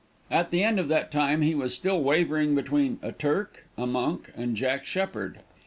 At the end of that time he was still wavering between a "Turk," a "Monk," and "Jack Sheppard."